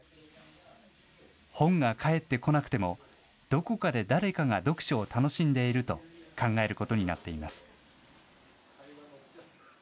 本が返ってこなくても、どこかで誰かが読書を楽しんでいると考えることになっています。